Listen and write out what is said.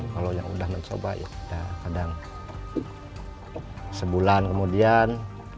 kalau yang sudah mencoba ya kadang sebulan kemudian